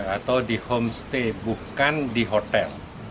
atau di homestay bukan di hotel